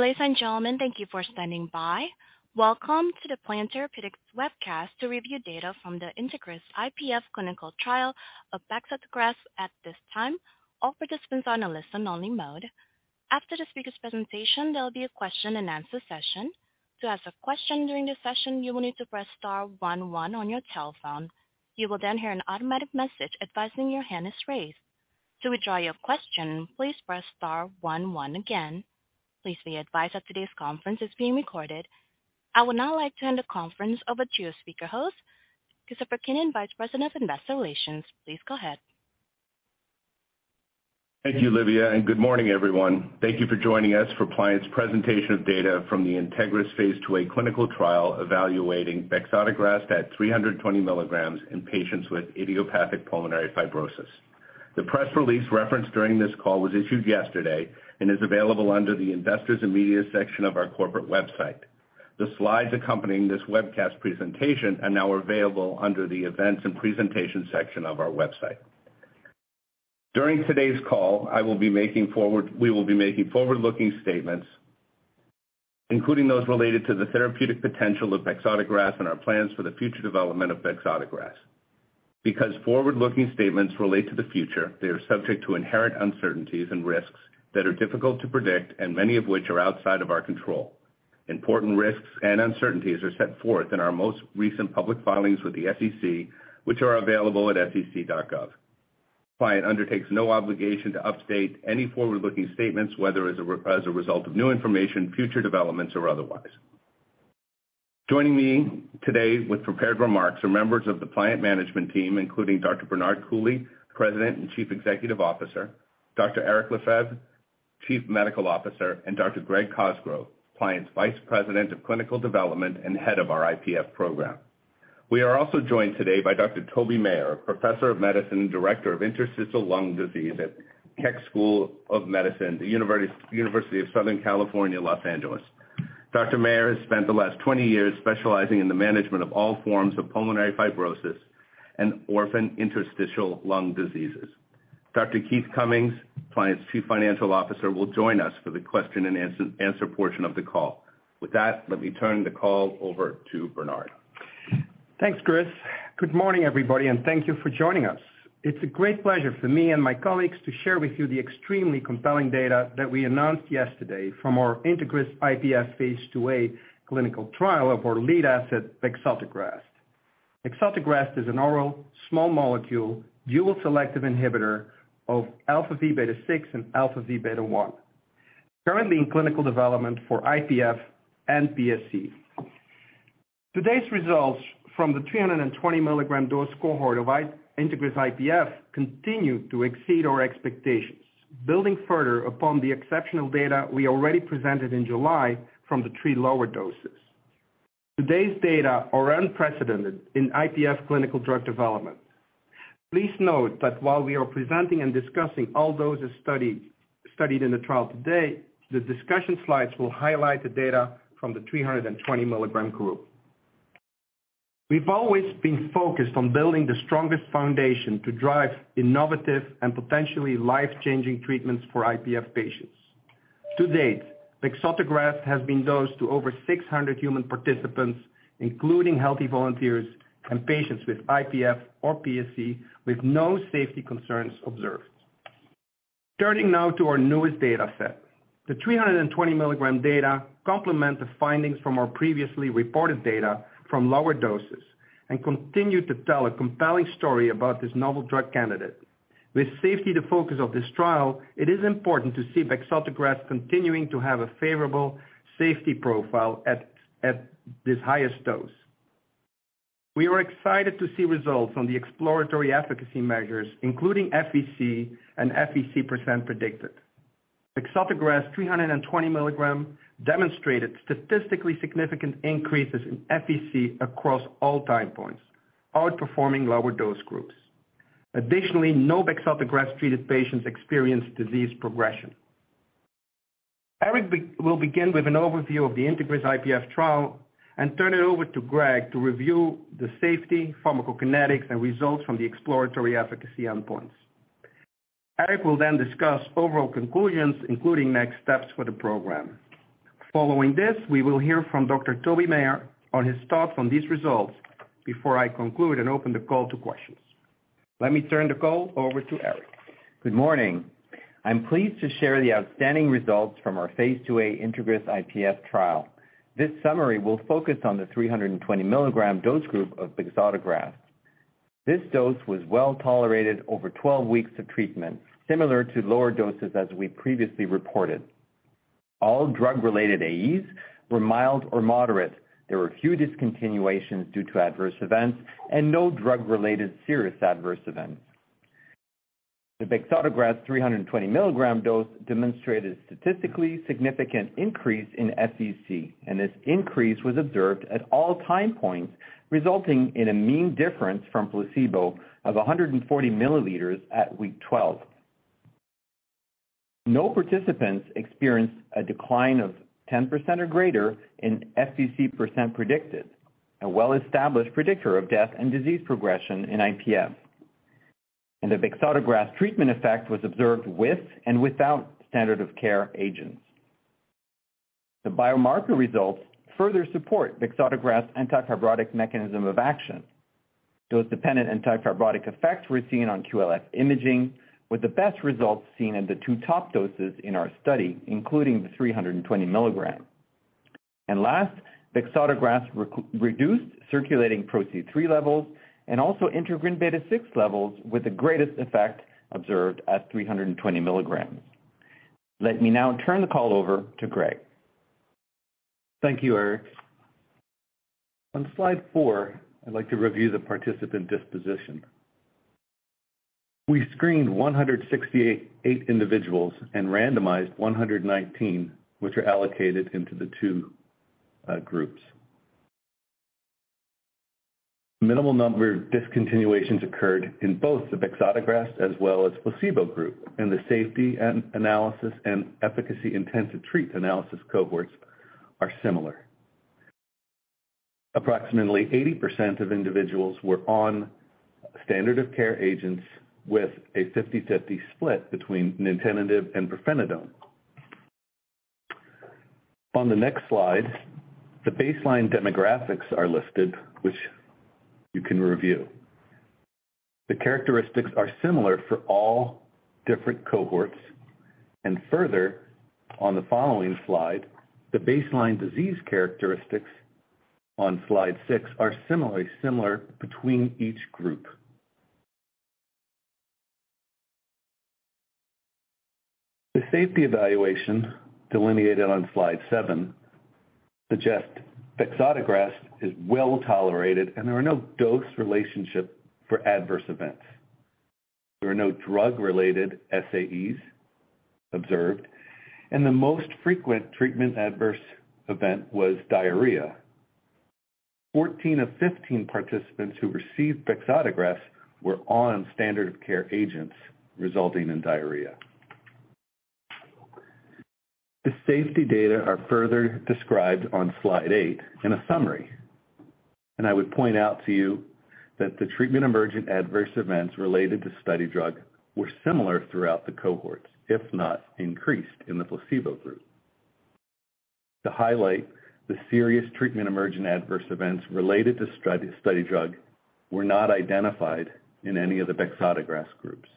Ladies and gentlemen, thank you for standing by. Welcome to the Pliant Therapeutics Webcast to review data from the INTEGRIS-IPF clinical trial of Bexotegrast. At this time, all participants are in a listen only mode. After the speaker's presentation, there will be a question-and-answer session. To ask a question during the session, you will need to press star one one on your telephone. You will hear an automatic message advising your hand is raised. To withdraw your question, please press star one one again. Please be advised that today's conference is being recorded. I would now like to hand the conference over to your speaker host, Christopher Keenan, Vice President of Investor Relations. Please go ahead. Thank you, Livia. Good morning, everyone. Thank you for joining us for Pliant's presentation of data from the INTEGRIS Phase 2a clinical trial evaluating bexotegrast at 320 milligrams in patients with idiopathic pulmonary fibrosis. The press release referenced during this call was issued yesterday and is available under the Investors and Media section of our corporate website. The slides accompanying this webcast presentation are now available under the Events and Presentation section of our website. During today's call, we will be making forward-looking statements, including those related to the therapeutic potential of bexotegrast and our plans for the future development of bexotegrast. Forward-looking statements relate to the future, they are subject to inherent uncertainties and risks that are difficult to predict and many of which are outside of our control. Important risks and uncertainties are set forth in our most recent public filings with the SEC, which are available at sec.gov. Pliant undertakes no obligation to update any forward-looking statements, whether as a result of new information, future developments or otherwise. Joining me today with prepared remarks are members of the Pliant management team, including Dr. Bernard Coulie, President and Chief Executive Officer, Dr. Éric Lefebvre, Chief Medical Officer, and Dr. Greg Cosgrove, Pliant's Vice President of Clinical Development and head of our IPF program. We are also joined today by Dr. Toby Maher, Professor of Medicine and Director of Interstitial Lung Disease at Keck School of Medicine, the University of Southern California, Los Angeles. Dr. Maher has spent the last 20 years specializing in the management of all forms of pulmonary fibrosis and orphan interstitial lung diseases. Dr. Keith Cummings, Pliant's chief financial officer, will join us for the question and answer portion of the call. With that, let me turn the call over to Bernard. Thanks, Chris. Good morning, everybody, thank you for joining us. It's a great pleasure for me and my colleagues to share with you the extremely compelling data that we announced yesterday from our INTEGRIS-IPF Phase 2a clinical trial of our lead asset, bexotegrast. Bexotegrast is an oral small molecule dual selective inhibitor of αvβ6 and αvβ1, currently in clinical development for IPF and PSC. Today's results from the 320-milligram dose cohort of INTEGRIS-IPF continue to exceed our expectations, building further upon the exceptional data we already presented in July from the three lower doses. Today's data are unprecedented in IPF clinical drug development. Please note that while we are presenting and discussing all doses studied in the trial to date, the discussion slides will highlight the data from the 320-milligram group. We've always been focused on building the strongest foundation to drive innovative and potentially life-changing treatments for IPF patients. To date, bexatogras has been dosed to over 600 human participants, including healthy volunteers and patients with IPF or PSC, with no safety concerns observed. Turning now to our newest data set. The 320-milligram data complement the findings from our previously reported data from lower-doses and continue to tell a compelling story about this novel drug candidate. With safety the focus of this trial, it is important to see bexatogras continuing to have a favorable safety profile at this highest dose. We are excited to see results on the exploratory efficacy measures, including FVC and FVC % predicted. bexatogras 320 milligrams demonstrated statistically significant increases in FVC across all time points, outperforming lower dose groups. Additionally, no bexotegrast treated patients experienced disease progression. Eric will begin with an overview of the INTEGRIS-IPF trial and turn it over to Greg to review the safety, pharmacokinetics and results from the exploratory efficacy endpoints. Eric will discuss overall conclusions, including next steps for the program. Following this, we will hear from Dr. Toby Maher on his thoughts on these results before I conclude and open the call to questions. Let me turn the call over to Eric. Good morning. I'm pleased to share the outstanding results from our Phase 2a INTEGRIS-IPF trial. This summary will focus on the 320-milligram dose group of bexotegrast. This dose was well-tolerated over 12 weeks of treatment, similar to lower doses as we previously reported. All drug-related AEs were mild or moderate. There were few discontinuations due to adverse events and no drug-related serious adverse events. The bexotegrast 320-milligram dose demonstrated statistically significant increase in FVC. This increase was observed at all time points, resulting in a mean difference from placebo of 140 milliliters at week 12. No participants experienced a decline of 10% or greater in FVC percent predicted, a well-established predictor of death and disease progression in IPF. The bexotegrast treatment effect was observed with and without standard of care agents. The biomarker results further support bexotegrast anti-fibrotic mechanism of action. Dose-dependent anti-fibrotic effects were seen on QLF imaging, with the best results seen in the two top doses in our study, including the 320 mg. Last, bexotegrast re-reduced circulating PRO-C3 levels and also integrin β6 levels, with the greatest effect observed at 320 mg. Let me now turn the call over to Greg. Thank you, Eric. On slide 4, I'd like to review the participant disposition. We screened 168 individuals and randomized 119, which are allocated into the two groups. Minimal number discontinuations occurred in both the bexotegrast as well as placebo group, and the safety analysis and efficacy intent to treat analysis cohorts are similar. Approximately 80% of individuals were on standard of care agents with a 50/50 split between nintedanib and pirfenidone. On the next slide, the baseline demographics are listed, which you can review. The characteristics are similar for all different cohorts. Further, on the following slide, the baseline disease characteristics on slide 6 are similarly similar between each group. The safety evaluation delineated on slide 7 suggest bexotegrast is well-tolerated, and there are no dose relationship for adverse events. There are no drug-related SAEs observed. The most frequent treatment adverse event was diarrhea. 14 of 15 participants who received bexotegrast were on standard of care agents, resulting in diarrhea. The safety data are further described on slide 8 in a summary, and I would point out to you that the treatment emergent adverse events related to study drug were similar throughout the cohorts, if not increased in the placebo group. To highlight, the serious treatment emergent adverse events related to study drug were not identified in any of the bexotegrast groups.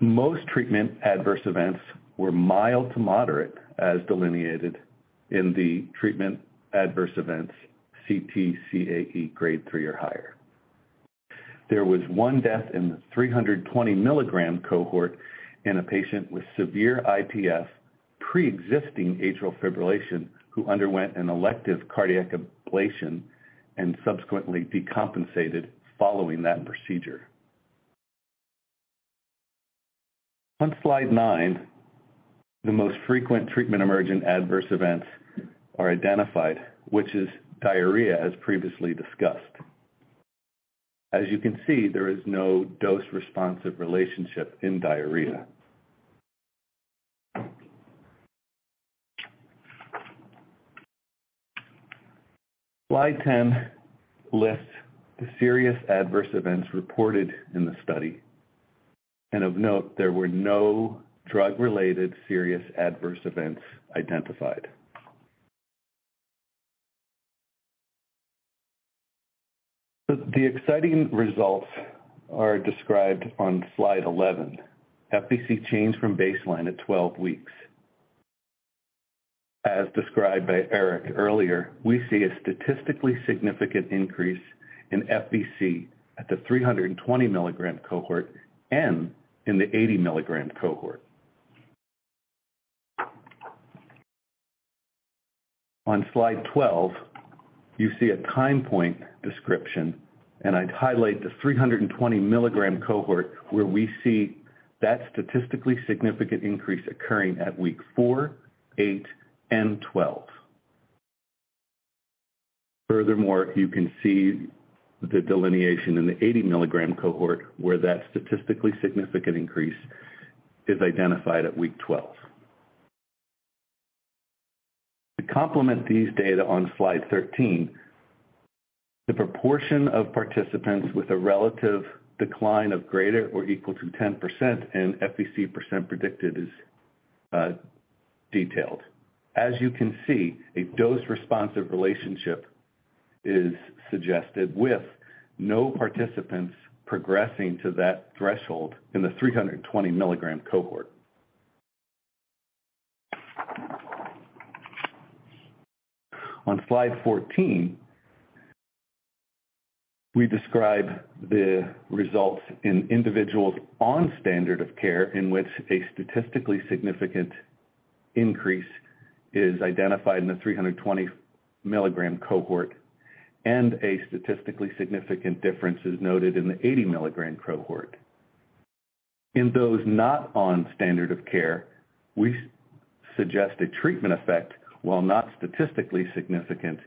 Most treatment adverse events were mild to moderate, as delineated in the treatment adverse events CTCAE grade three or higher. There was 1 death in the 320 milligram cohort in a patient with severe IPF, pre-existing atrial fibrillation who underwent an elective cardiac ablation and subsequently decompensated following that procedure. On slide 9, the most frequent treatment emergent adverse events are identified, which is diarrhea as previously discussed. As you can see, there is no dose-responsive relationship in diarrhea. Slide 10 lists the serious adverse events reported in the study. Of note, there were no drug-related serious adverse events identified. The exciting results are described on slide 11. FVC change from baseline at 12 weeks. As described by Éric earlier, we see a statistically significant increase in FVC at the 320 milligram cohort and in the 80 milligram cohort. On slide 12, you see a time point description, and I'd highlight the 320 milligram cohort where we see that statistically significant increase occurring at week four, eight, and 12. Furthermore, you can see the delineation in the 80 milligram cohort where that statistically significant increase is identified at week 12. To complement these data on slide 13, the proportion of participants with a relative decline of greater or equal to 10% in FVC % predicted is detailed. As you can see, a dose-responsive relationship is suggested with no participants progressing to that threshold in the 320 milligram cohort. On slide 14, we describe the results in individuals on standard of care in which a statistically significant increase is identified in the 320 milligram cohort and a statistically significant difference is noted in the 80 milligram cohort. In those not on standard of care, we suggest a treatment effect, while not statistically significant,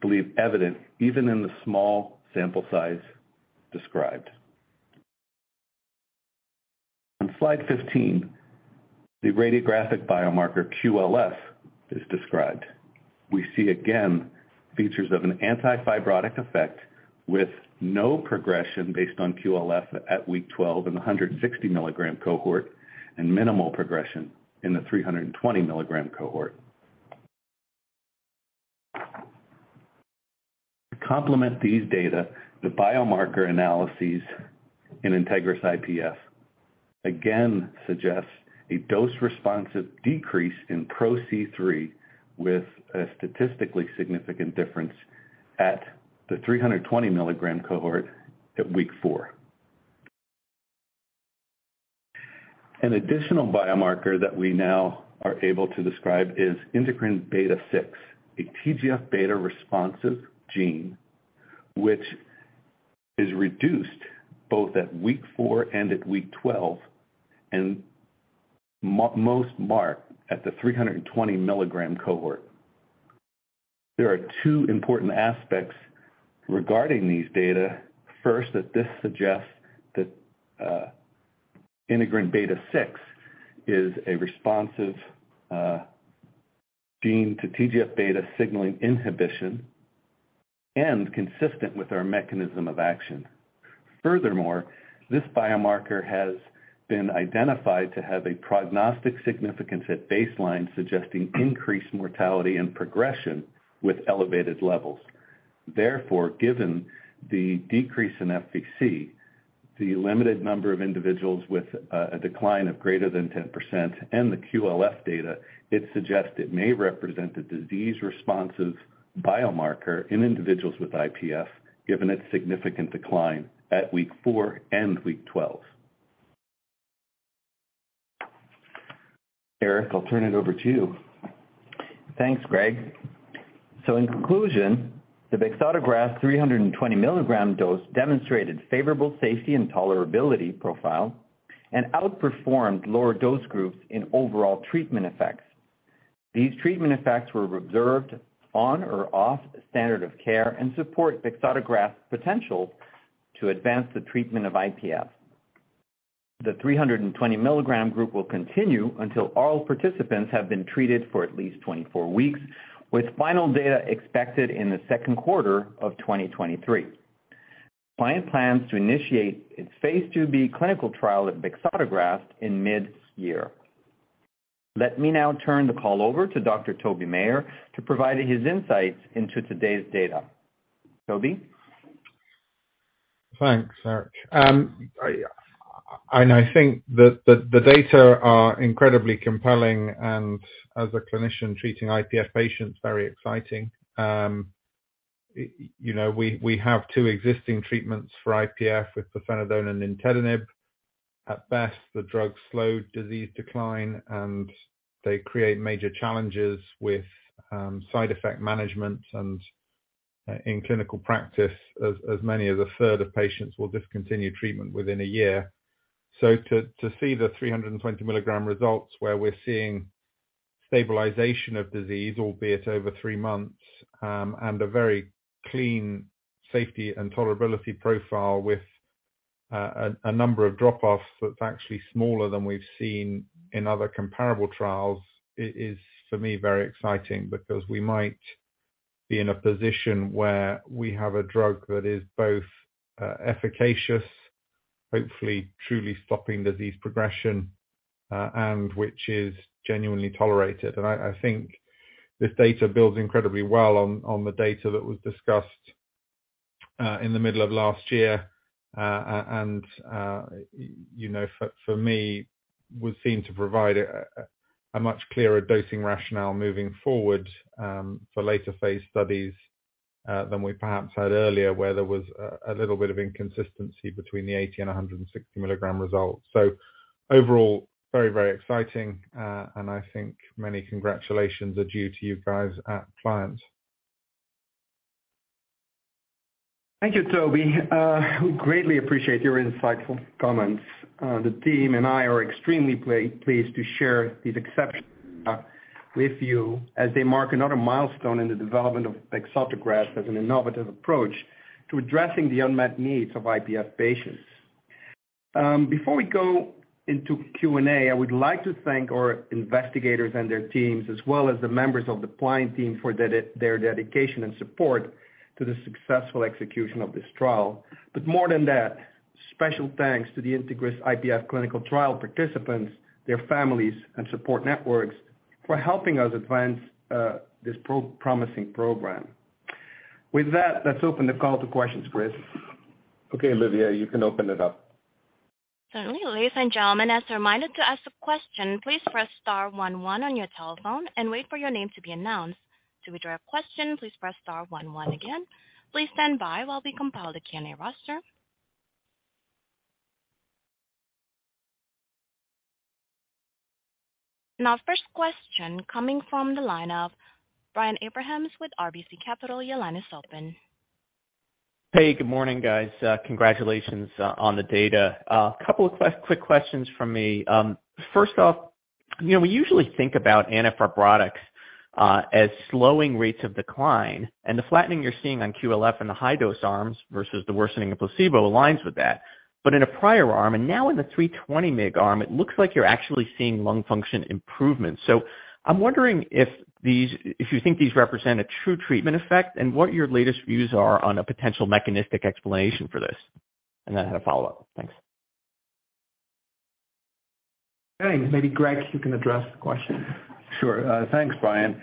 believe evident even in the small sample size described. On slide 15, the radiographic biomarker QLF is described. We see again features of an anti-fibrotic effect with no progression based on QLF at week 12 in the 160 milligram cohort and minimal progression in the 320 milligram cohort. To complement these data, the biomarker analyses in INTEGRIS-IPF again suggests a dose-responsive decrease in PRO-C3 with a statistically significant difference at the 320 milligram cohort at week 4. An additional biomarker that we now are able to describe is integrin β6, a TGF-β-responsive gene which is reduced both at week 4 and at week 12, and most marked at the 320 milligram cohort. There are two important aspects regarding these data. First, that this suggests that integrin β6 is a responsive gene to TGF-β signaling inhibition and consistent with our mechanism of action. This biomarker has been identified to have a prognostic significance at baseline, suggesting increased mortality and progression with elevated levels. Given the decrease in FVC, the limited number of individuals with a decline of greater than 10% and the QLF data, it suggests it may represent a disease-responsive biomarker in individuals with IPF, given its significant decline at week four and week 12. Eric, I'll turn it over to you. Thanks, Greg. In conclusion, the bexotegrast 320 milligram dose demonstrated favorable safety and tolerability profile and outperformed lower dose groups in overall treatment effects. These treatment effects were observed on or off standard of care and support bexotegrast's potential to advance the treatment of IPF. The 320 milligram group will continue until all participants have been treated for at least 24 weeks, with final data expected in 2Q 2023. Pliant plans to initiate its Phase 2b clinical trial of bexotegrast in mid-year. Let me now turn the call over to Dr. Toby Maher to provide his insights into today's data. Toby? Thanks, Eric. I think the data are incredibly compelling and as a clinician treating IPF patients, very exciting. You know, we have two existing treatments for IPF with pirfenidone and nintedanib. At best, the drugs slow disease decline, and they create major challenges with side effect management and in clinical practice as many as a third of patients will discontinue treatment within a year. To see the 320 milligram results where we're seeing stabilization of disease, albeit over three months, and a very clean safety and tolerability profile with a number of drop-offs that's actually smaller than we've seen in other comparable trials is for me very exciting because we might be in a position where we have a drug that is both efficacious, hopefully truly stopping disease progression, and which is genuinely tolerated. I think this data builds incredibly well on the data that was discussed in the middle of last year. You know, for me would seem to provide a much clearer dosing rationale moving forward, for later-phase studies, than we perhaps had earlier, where there was a little bit of inconsistency between the 80 and 160 milligram results. Overall, very, very exciting. I think many congratulations are due to you guys at Pliant. Thank you, Toby. We greatly appreciate your insightful comments. The team and I are extremely pleased to share these exceptional data with you as they mark another milestone in the development of bexotegrast as an innovative approach to addressing the unmet needs of IPF patients. Before we go into Q&A, I would like to thank our investigators and their teams, as well as the members of the Pliant team for their dedication and support to the successful execution of this trial. More than that, special thanks to the INTEGRIS-IPF clinical trial participants, their families and support networks for helping us advance this promising program. With that, let's open the call to questions, Chris. Okay, Olivia, you can open it up. Certainly. Ladies and gentlemen, as a reminder to ask a question, please press star one one on your telephone and wait for your name to be announced. To withdraw your question, please press star one one again. Please stand by while we compile the Q&A roster. First question coming from the line of Brian Abrahams with RBC Capital. Your line is open. Hey, good morning, guys. congratulations on the data. A couple of quick questions from me. First off, you know, we usually think about NFR products as slowing rates of decline and the flattening you're seeing on QLF in the high dose arms versus the worsening of placebo aligns with that. In a prior arm and now in the 320 milligram, it looks like you're actually seeing lung function improvement. I'm wondering if you think these represent a true treatment effect and what your latest views are on a potential mechanistic explanation for this. Then I had a follow-up. Thanks. Thanks. Maybe, Greg, you can address the question. Sure. Thanks, Brian.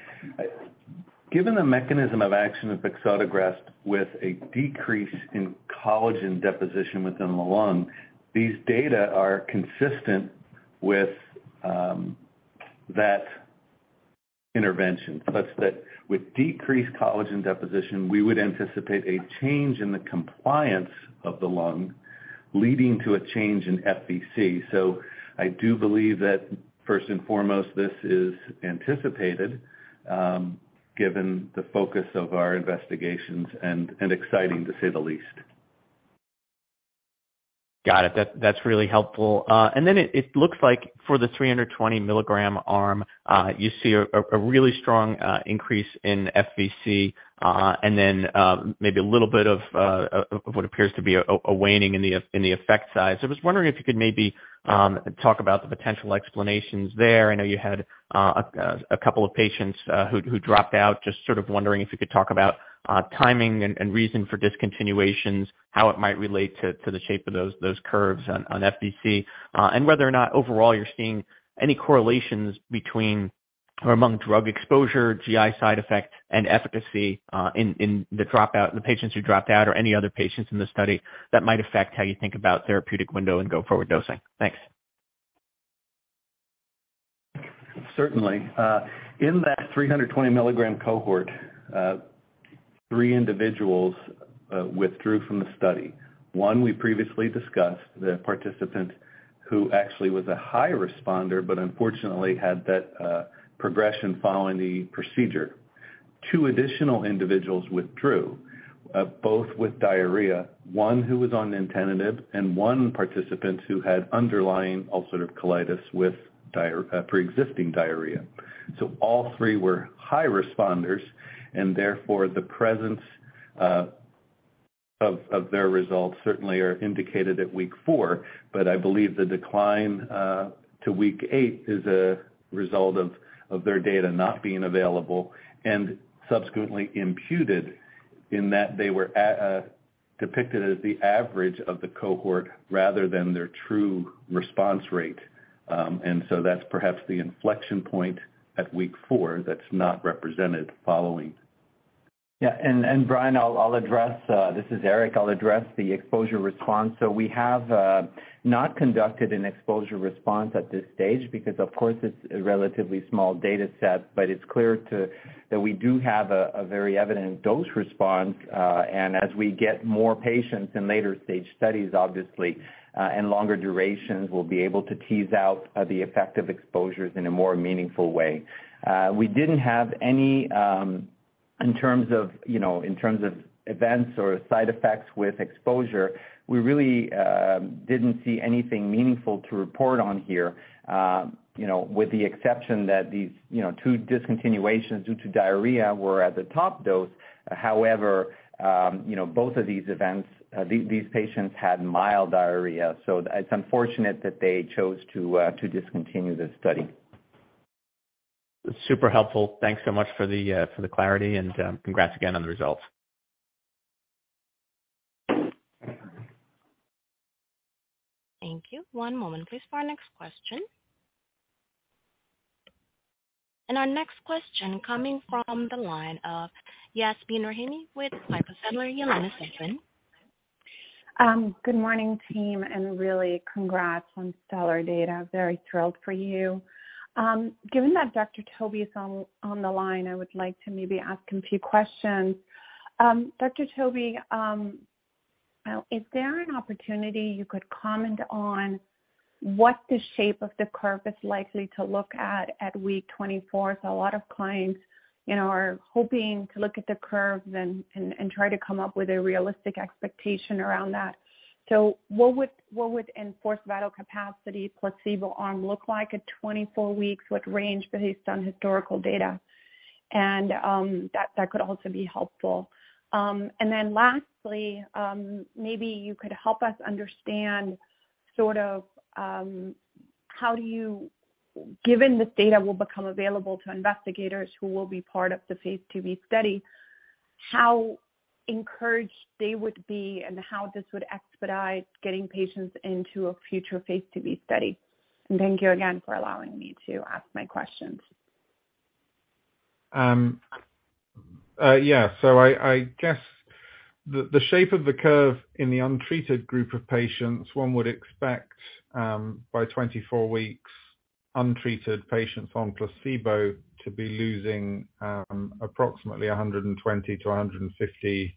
Given the mechanism of action of bexotegrast with a decrease in collagen deposition within the lung, these data are consistent with that intervention, such that with decreased collagen deposition, we would anticipate a change in the compliance of the lung leading to a change in FVC. I do believe that first and foremost, this is anticipated, given the focus of our investigations and exciting, to say the least. Got it. That's really helpful. It looks like for the 320 milligram arm, you see a really strong increase in FVC, and then, maybe a little bit of what appears to be a waning in the effect size. I was wondering if you could maybe talk about the potential explanations there. I know you had a couple of patients who dropped out. Just sort of wondering if you could talk about, timing and reason for discontinuations, how it might relate to the shape of those curves on FVC, and whether or not overall you're seeing any correlations between or among drug exposure, GI side effect and efficacy, in the dropout, the patients who dropped out or any other patients in the study that might affect how you think about therapeutic window and go forward dosing. Thanks. Certainly. In that 320 milligram cohort, three individuals withdrew from the study. One we previously discussed, the participant who actually was a high responder, but unfortunately had that progression following the procedure. Two additional individuals withdrew, both with diarrhea, one who was on nintedanib and one participant who had underlying ulcerative colitis with pre-existing diarrhea. All three were high responders and therefore the presence of their results certainly are indicated at week four. I believe the decline to week eight is a result of their data not being available and subsequently imputed in that they were at depicted as the average of the cohort rather than their true response rate. That's perhaps the inflection point at week four that's not represented following. Brian, I'll address, this is Eric. I'll address the exposure response. We have not conducted an exposure response at this stage because of course it's a relatively small data set, but it's clear that we do have a very evident dose response. As we get more patients in later stage studies, obviously, and longer durations, we'll be able to tease out the effect of exposures in a more meaningful way. We didn't have any, in terms of, you know, in terms of events or side effects with exposure. We really didn't see anything meaningful to report on here, you know, with the exception that these, you know, two discontinuations due to diarrhea were at the top dose. You know, both of these events, these patients had mild diarrhea, so it's unfortunate that they chose to discontinue the study. Super helpful. Thanks so much for the for the clarity and congrats again on the results. Thank you. One moment please for our next question. Our next question coming from the line of Yasmeen Rahimi with Piper Sandler. Your line is open. Good morning, team, and really congrats on stellar data. Very thrilled for you. Given that Dr. Toby is on the line, I would like to maybe ask him a few questions. Dr. Toby, is there an opportunity you could comment on what the shape of the curve is likely to look at at week 24? A lot of clients, you know, are hoping to look at the curve and try to come up with a realistic expectation around that. What would forced vital capacity placebo arm look like at 24 weeks? What range based on historical data? And that could also be helpful. Lastly, maybe you could help us understand sort of, Given this data will become available to investigators who will be part of the Phase 2b study, how encouraged they would be and how this would expedite getting patients into a future Phase 2b study. Thank you again for allowing me to ask my questions. Yeah. I guess the shape of the curve in the untreated group of patients, one would expect by 24 weeks untreated patients on placebo to be losing approximately 120-150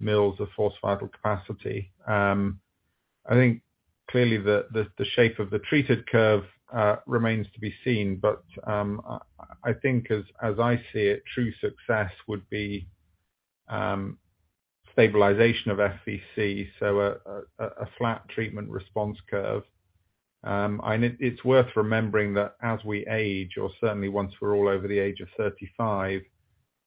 mils of forced vital capacity. I think clearly the, the shape of the treated curve remains to be seen, I think as I see it, true success would be Stabilization of FVC, so a flat treatment response curve. It's worth remembering that as we age or certainly once we're all over the age of 35,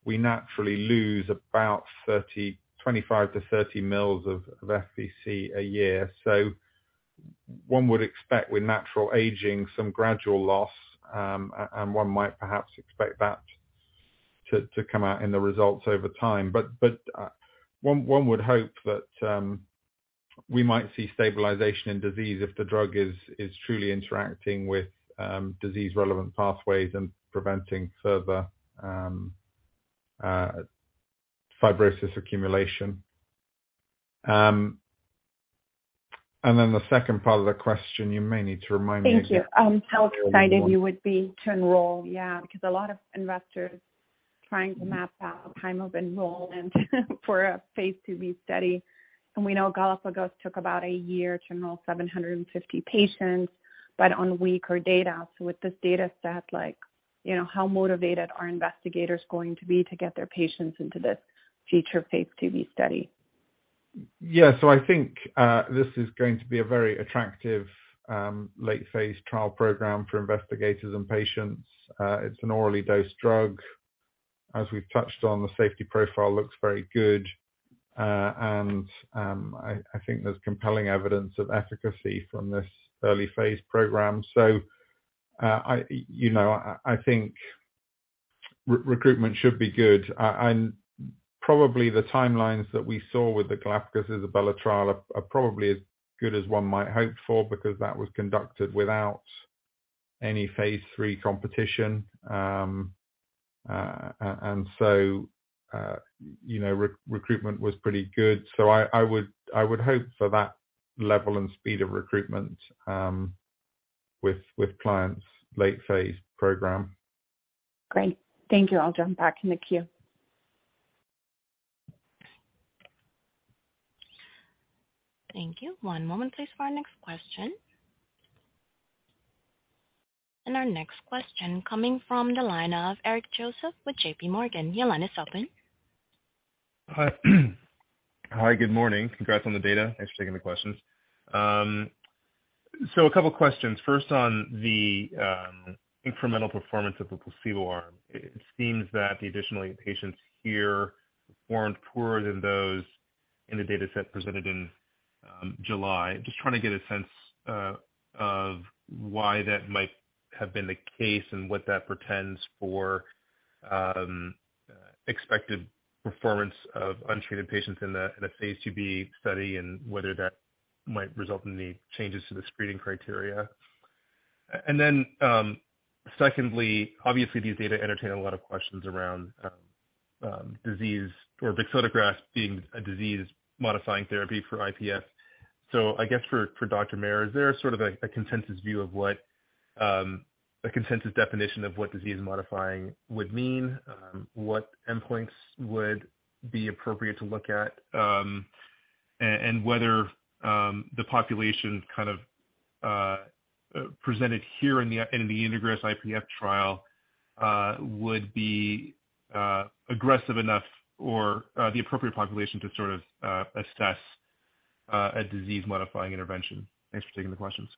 we naturally lose about 25-30 mils of FVC a year. One would expect with natural aging some gradual loss, and one might perhaps expect that to come out in the results over time. One would hope that we might see stabilization in disease if the drug is truly interacting with disease relevant pathways and preventing further fibrosis accumulation. The second part of the question, you may need to remind me again. Thank you. how excited you would be to enroll? Yeah. A lot of investors trying to map out time of enrollment for a Phase 2b study. We know Galapagos took about a year to enroll 750 patients, but on weaker data. With this data set, like, you know, how motivated are investigators going to be to get their patients into this future Phase 2b study? Yeah. I think this is going to be a very attractive late phase trial program for investigators and patients. It's an orally dosed drug. As we've touched on, the safety profile looks very good. I think there's compelling evidence of efficacy from this early phase program. I, you know, I think recruitment should be good. Probably the timelines that we saw with the Galapagos ISABELA trial are probably as good as one might hope for because that was conducted without any phase three competition. You know, recruitment was pretty good. I would hope for that level and speed of recruitment with Pliant's late phase program. Great. Thank you. I'll jump back in the queue. Thank you. One moment please for our next question. Our next question coming from the line of Eric Joseph with JPMorgan. Your line is open. Hi. Hi, good morning. Congrats on the data. Thanks for taking the questions. A couple questions. First, on the incremental performance of the placebo arm, it seems that the additional patients here weren't poorer than those in the dataset presented in July. Just trying to get a sense of why that might have been the case and what that portends for expected performance of untreated patients in a Phase 2b study, and whether that might result in any changes to the screening criteria? And then, secondly, obviously these data entertain a lot of questions around disease or bexotegrast being a disease-modifying therapy for IPF. I guess for Dr. Maher, is there sort of a consensus view of what a consensus definition of what disease modifying would mean? What endpoints would be appropriate to look at? Whether the population kind of presented here in the INTEGRIS-IPF trial would be aggressive enough or the appropriate population to sort of assess a disease-modifying intervention. Thanks for taking the questions.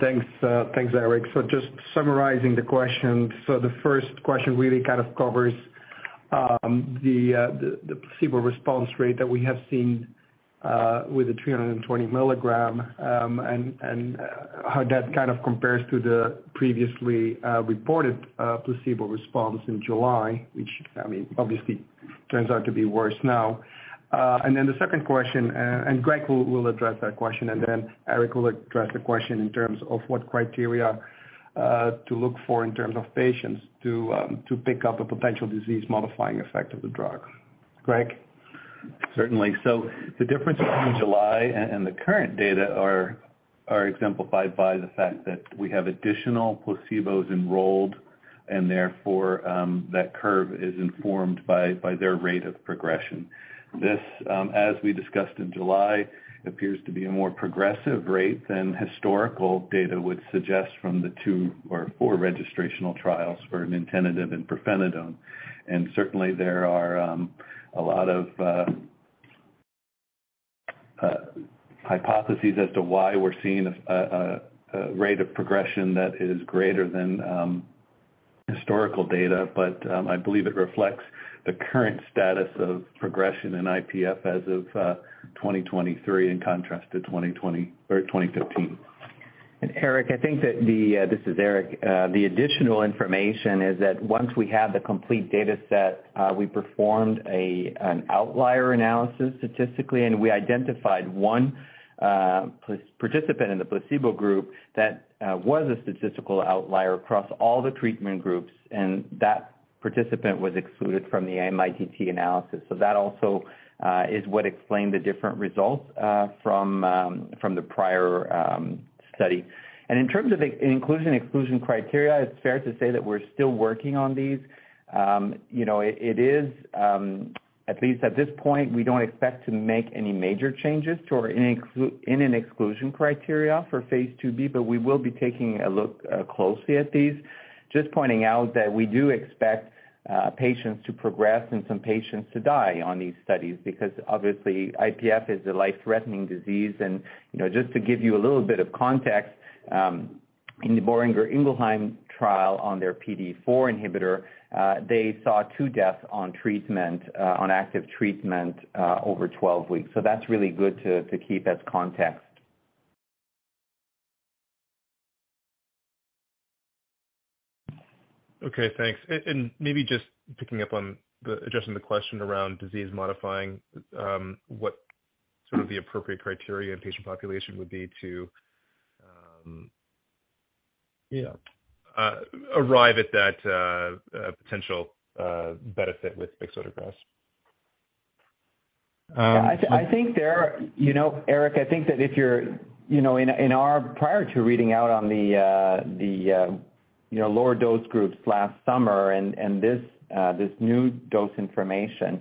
Thanks, thanks, Eric. Just summarizing the questions. The first question really kind of covers the placebo response rate that we have seen with the 320 milligram, and how that kind of compares to the previously reported placebo response in July, which I mean, obviously turns out to be worse now. The second question, and Greg will address that question, and then Eric will address the question in terms of what criteria to look for in terms of patients to pick up a potential disease-modifying effect of the drug. Greg. Certainly. The difference between July and the current data are exemplified by the fact that we have additional placebos enrolled and therefore, that curve is informed by their rate of progression. This, as we discussed in July, appears to be a more progressive rate than historical data would suggest from the 2 or 4 registrational trials for nintedanib and pirfenidone. Certainly there are a lot of hypotheses as to why we're seeing a rate of progression that is greater than historical data. I believe it reflects the current status of progression in IPF as of 2023 in contrast to 2020 or 2015. Eric, I think that, this is Eric, the additional information is that once we have the complete dataset, we performed an outlier analysis statistically, and we identified 1 participant in the placebo group that was a statistical outlier across all the treatment groups, and that participant was excluded from the MITT analysis. That also is what explained the different results from the prior study. In terms of the inclusion and exclusion criteria, it's fair to say that we're still working on these. You know, it is, at least at this point, we don't expect to make any major changes to our inclusion and exclusion criteria for Phase 2b, but we will be taking a look closely at these. Just pointing out that we do expect patients to progress and some patients to die on these studies because obviously IPF is a life-threatening disease. You know, just to give you a little bit of context, in the Boehringer Ingelheim trial on their PDE4 inhibitor, they saw 2 deaths on treatment, on active treatment, over 12 weeks. That's really good to keep as context. Okay, thanks. Maybe just picking up on adjusting the question around disease modifying, what sort of the appropriate criteria and patient population would be to. Yeah Arrive at that potential benefit with bexotegrast. Yeah, I think there, you know, Eric, I think that if you're, you know, in our prior to reading out on the lower dose groups last summer and this new dose information,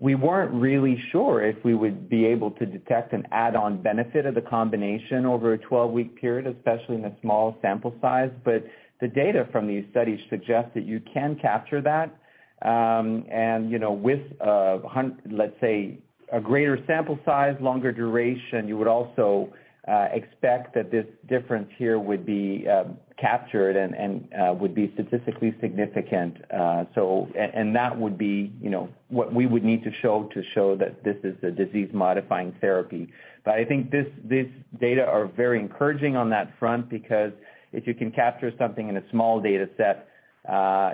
we weren't really sure if we would be able to detect an add-on benefit of the combination over a 12-week period, especially in a small sample size. The data from these studies suggest that you can capture that. You know, with let's say a greater sample size, longer duration, you would also expect that this difference here would be captured and would be statistically significant. That would be, you know, what we would need to show that this is a disease-modifying therapy. I think this data are very encouraging on that front because if you can capture something in a small data set,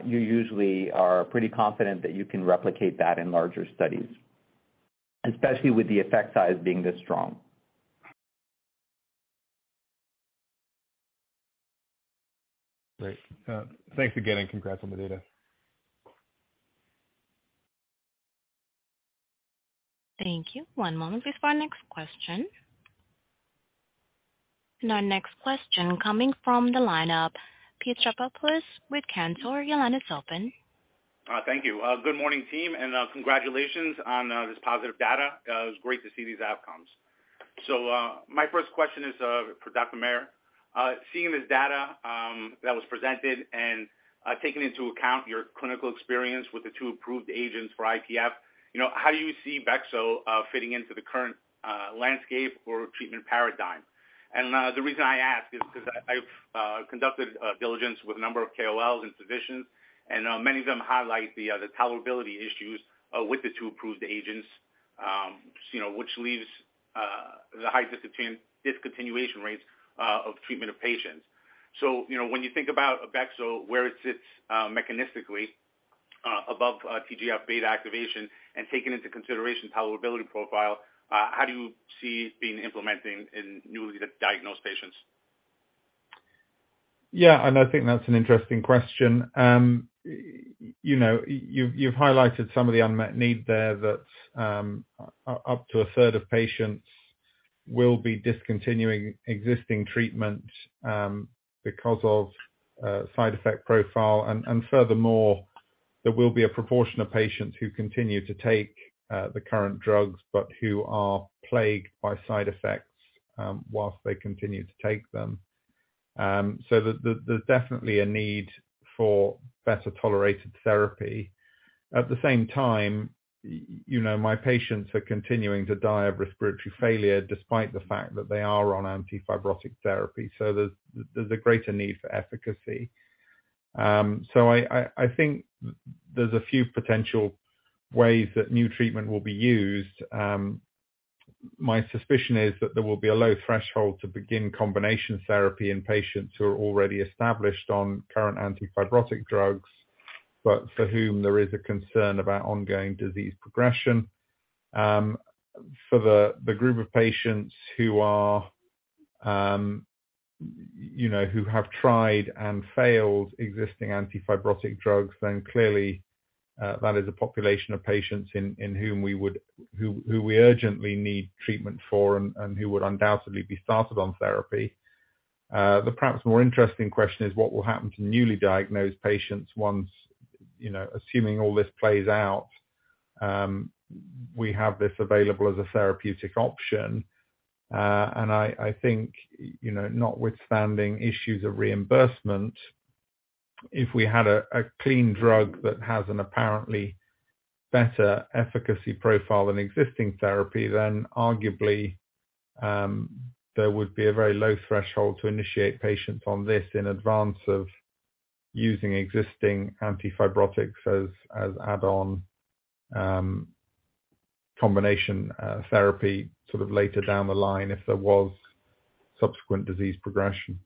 you usually are pretty confident that you can replicate that in larger studies, especially with the effect size being this strong. Great. Thanks again, and congrats on the data. Thank you. One moment before our next question. Our next question coming from the lineup, Pete Stavropoulos with Cantor. Your line is open. Thank you. Good morning, team, and congratulations on this positive data. It was great to see these outcomes. My first question is for Dr. Maher. Seeing this data that was presented and taking into account your clinical experience with the two approved agents for IPF, you know, how do you see Bexso fitting into the current landscape or treatment paradigm? The reason I ask is because I've conducted diligence with a number of KOLs and physicians, and many of them highlight the tolerability issues with the two approved agents, you know, which leaves the high discontinuation rates of treatment of patients. you know, when you think about Bexso, where it sits, mechanistically, above TGF-β activation and taking into consideration tolerability profile, how do you see it being implementing in newly diagnosed patients? Yeah. I think that's an interesting question. You know, you've highlighted some of the unmet need there that up to a third of patients will be discontinuing existing treatment, because of side effect profile. Furthermore, there will be a proportion of patients who continue to take the current drugs, but who are plagued by side effects, whilst they continue to take them. There's definitely a need for better tolerated therapy. At the same time, you know, my patients are continuing to die of respiratory failure despite the fact that they are on anti-fibrotic therapy. There's a greater need for efficacy. I think there's a few potential ways that new treatment will be used. My suspicion is that there will be a low threshold to begin combination therapy in patients who are already established on current anti-fibrotic drugs, but for whom there is a concern about ongoing disease progression. For the group of patients who are, you know, who have tried and failed existing anti-fibrotic drugs, clearly, that is a population of patients in whom we urgently need treatment for and who would undoubtedly be started on therapy. The perhaps more interesting question is what will happen to newly diagnosed patients once, you know, assuming all this plays out, we have this available as a therapeutic option. I think, you know, notwithstanding issues of reimbursement, if we had a clean drug that has an apparently better efficacy profile than existing therapy, then arguably, there would be a very low threshold to initiate patients on this in advance of using existing anti-fibrotics as add-on, combination, therapy sort of later down the line if there was subsequent disease progression.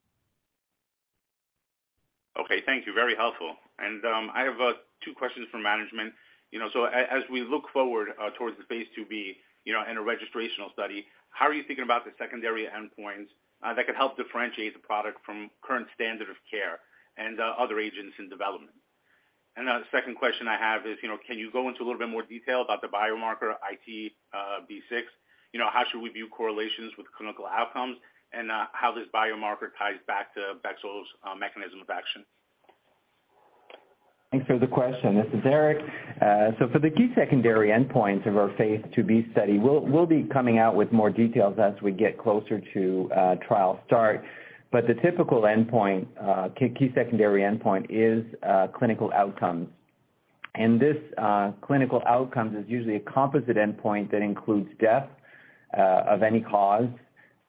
Okay. Thank you. Very helpful. I have two questions for management. You know, as we look forward towards the Phase 2b, you know, in a registrational study, how are you thinking about the secondary endpoints that could help differentiate the product from current standard of care and other agents in development? The second question I have is, you know, can you go into a little bit more detail about the biomarker integrin β6? You know, how should we view correlations with clinical outcomes and how this biomarker ties back to bexotegrast's mechanism of action? Thanks for the question. This is Derek. For the key secondary endpoints of our Phase 2b study, we'll be coming out with more details as we get closer to trial start. The typical endpoint, key secondary endpoint is clinical outcomes. This clinical outcomes is usually a composite endpoint that includes death of any cause,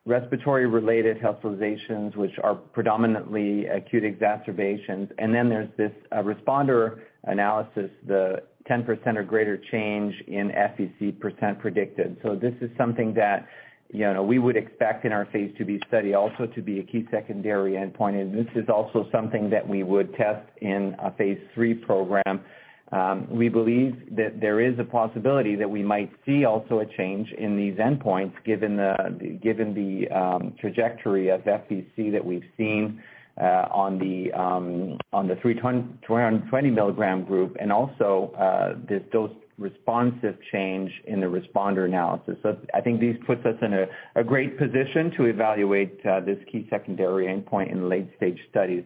respiratory-related hospitalizations, which are predominantly acute exacerbations. Then there's this responder analysis, the 10% or greater change in FVC % predicted. This is something that, you know, we would expect in our Phase 2b study also to be a key secondary endpoint, and this is also something that we would test in a Phase 3 program. We believe that there is a possibility that we might see also a change in these endpoints given the trajectory of FVC that we've seen on the 220 milligram group, and also this dose-responsive change in the responder analysis. I think this puts us in a great position to evaluate this key secondary endpoint in late-stage studies.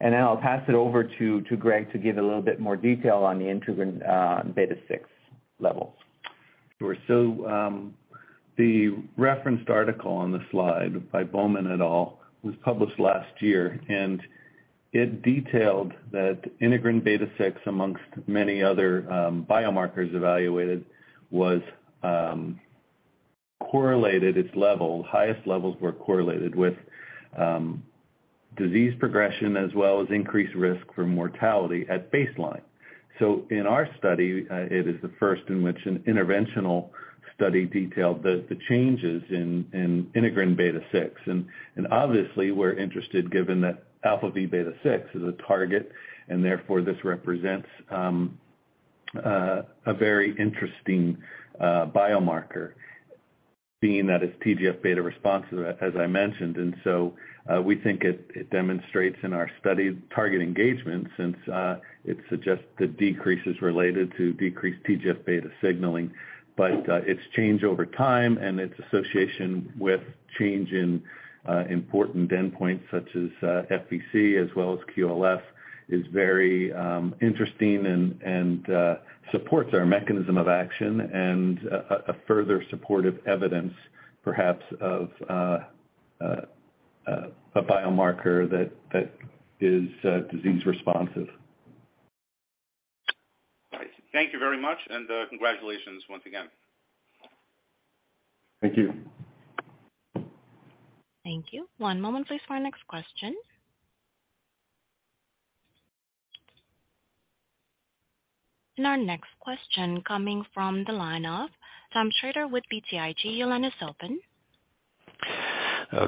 Now I'll pass it over to Greg to give a little bit more detail on the integrin β6 levels. Sure. The referenced article on the slide by Bowman et al. was published last year, and it detailed that integrin β6, amongst many other biomarkers evaluated, was correlated its level. Highest levels were correlated with disease progression as well as increased risk for mortality at baseline. In our study, it is the first in which an interventional study detailed the changes in integrin β6. Obviously, we're interested given that αvβ6 is a target, and therefore this represents a very interesting biomarker being that it's TGF-β responsive, as I mentioned. We think it demonstrates in our study target engagement since it suggests the decrease is related to decreased TGF-β signaling. Its change over time and its association with change in important endpoints such as FVC as well as QLF is very interesting and supports our mechanism of action and a further supportive evidence perhaps of a biomarker that is disease responsive. All right. Thank you very much, and congratulations once again. Thank you. Thank you. One moment please for our next question. Our next question coming from the line of Tom Schroeder with BTIG. Your line is open.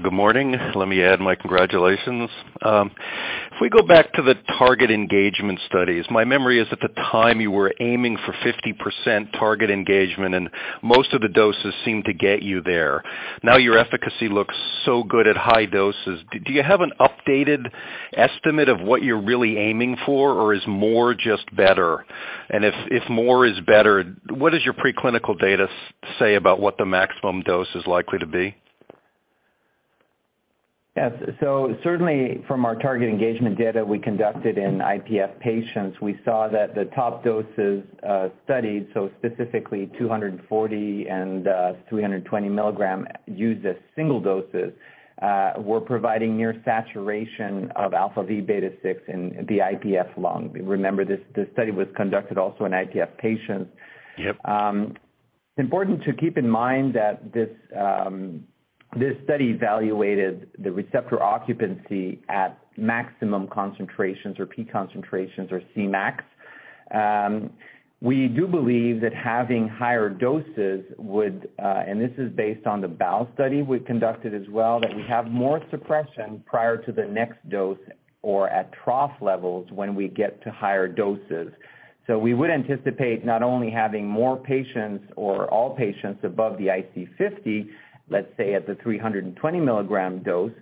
Good morning. Let me add my congratulations. If we go back to the target engagement studies, my memory is at the time you were aiming for 50% target engagement, and most of the doses seemed to get you there. Now your efficacy looks so good at high doses. Do you have an updated estimate of what you're really aiming for, or is more just better? If more is better, what does your preclinical data say about what the maximum dose is likely to be? Yes. Certainly from our target engagement data we conducted in IPF patients, we saw that the top doses studied, specifically 240 and 320 milligram used as single doses, were providing near saturation of alpha V beta six in the IPF lung. Remember this study was conducted also in IPF patients. Yep. Important to keep in mind that this study evaluated the receptor occupancy at maximum concentrations or peak concentrations or Cmax. We do believe that having higher doses would, and this is based on the bowel study we've conducted as well, that we have more suppression prior to the next dose or at trough levels when we get to higher doses. We would anticipate not only having more patients or all patients above the IC-50, let's say at the 320 milligram dose,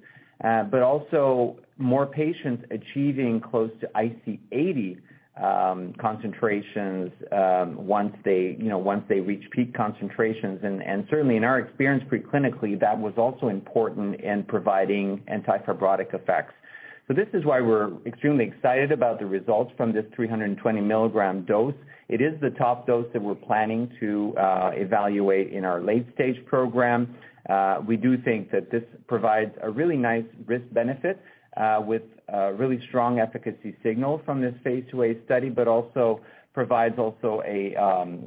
but also more patients achieving close to IC-80 concentrations once they reach peak concentrations. Certainly in our experience preclinically, that was also important in providing anti-fibrotic effects. This is why we're extremely excited about the results from this 320 milligram dose. It is the top dose that we're planning to evaluate in our late-stage program. We do think that this provides a really nice risk benefit with really strong efficacy signal from this Phase 2a study, but also provides also a,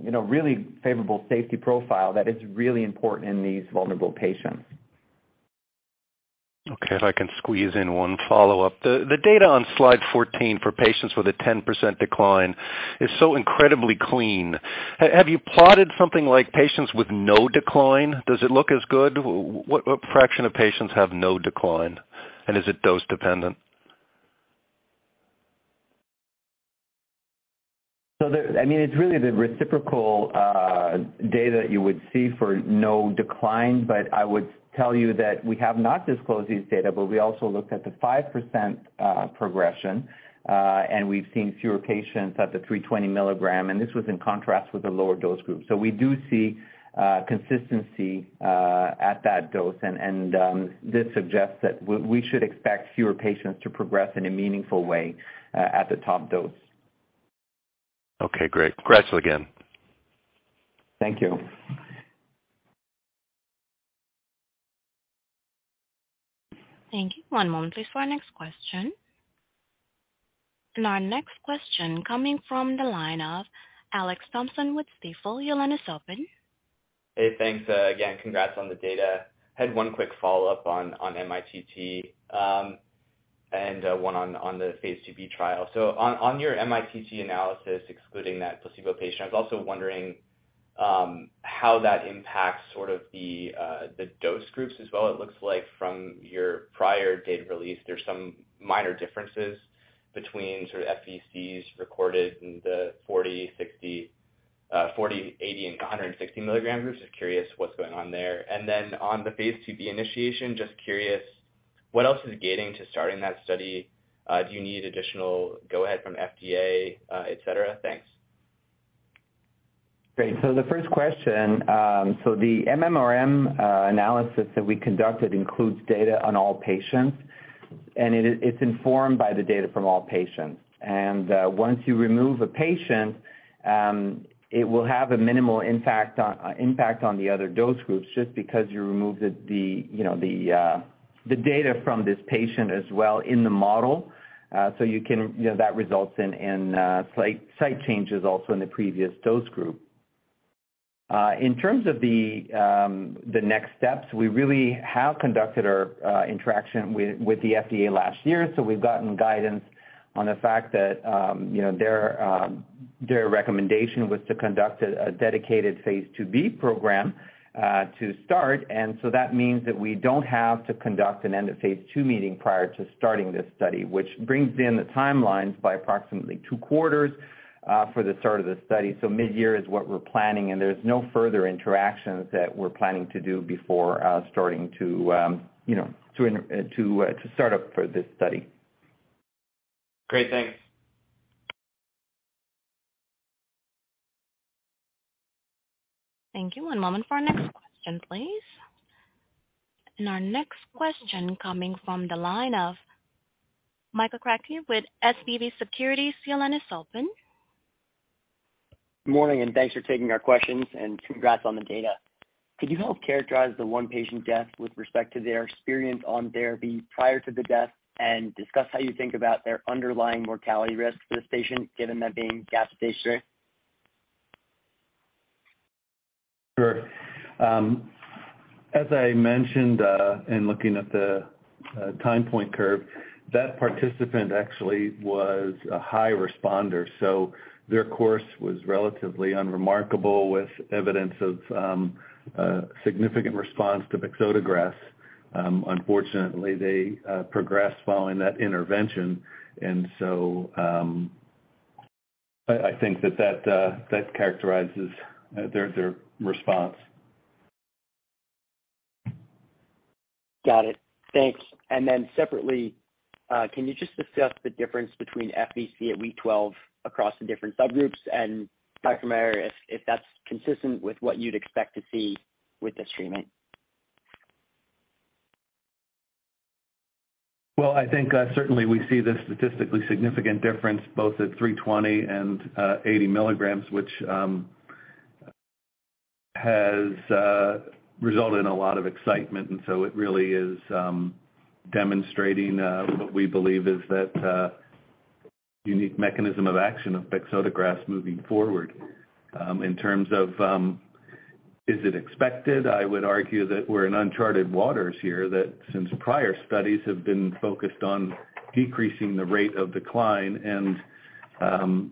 you know, really favorable safety profile that is really important in these vulnerable patients. Okay. If I can squeeze in one follow-up. The data on slide 14 for patients with a 10% decline is so incredibly clean. Have you plotted something like patients with no decline? Does it look as good? What fraction of patients have no decline? Is it dose dependent? I mean, it's really the reciprocal data you would see for no decline, but I would tell you that we have not disclosed these data, but we also looked at the 5% progression, and we've seen fewer patients at the 320 milligram, and this was in contrast with the lower dose group. We do see consistency at that dose and this suggests that we should expect fewer patients to progress in a meaningful way at the top dose. Okay, great. Congrats again. Thank you. Thank you. One moment please for our next question. Our next question coming from the line of Alex Thompson with Stifel. Your line is open. Hey, thanks. Again, congrats on the data. Had 1 quick follow-up on MITT, and 1 on the phase 2b trial. On your MITT analysis excluding that placebo patient, I was also wondering how that impacts sort of the dose groups as well. It looks like from your prior data release, there's some minor differences between sort of FVCs recorded in the 40, 80, and 160 milligrams. Just curious what's going on there. On the phase 2b initiation, just curious what else is gating to starting that study? Do you need additional go ahead from FDA, et cetera? Thanks. Great. The first question, the MMRM analysis that we conducted includes data on all patients, and it's informed by the data from all patients. Once you remove a patient, it will have a minimal impact on the other dose groups just because you removed the, you know, the data from this patient as well in the model. You know, that results in slight site changes also in the previous dose group. In terms of the next steps, we really have conducted our interaction with the FDA last year, we've gotten guidance on the fact that, you know, their recommendation was to conduct a dedicated phase 2b program to start. That means that we don't have to conduct an end of phase 2 meeting prior to starting this study, which brings in the timelines by approximately two quarters for the start of the study. Midyear is what we're planning, and there's no further interactions that we're planning to do before, you know, to start up for this study. Great. Thanks. Thank you. One moment for our next question, please. Our next question coming from the line of Michael Yee with SVB Securities. Your line is open. Good morning, thanks for taking our questions, and congrats on the data. Could you help characterize the one patient death with respect to their experience on therapy prior to the death and discuss how you think about their underlying mortality risk for this patient, given them being GAP stage three? Sure. As I mentioned, in looking at the time point curve, that participant actually was a high responder, so their course was relatively unremarkable with evidence of significant response to bexotegrast. Unfortunately, they progressed following that intervention. I think that that characterizes their response. Got it. Thanks. Separately, can you just discuss the difference between FVC at week 12 across the different subgroups? Dr. Maher, if that's consistent with what you'd expect to see with this treatment? Well, I think certainly we see the statistically significant difference both at 320 and 80 milligrams, which has resulted in a lot of excitement. It really is demonstrating what we believe is that unique mechanism of action of bexotegrast moving forward. In terms of, is it expected, I would argue that we're in uncharted waters here that since prior studies have been focused on decreasing the rate of decline and